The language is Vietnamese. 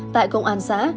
tại công an xã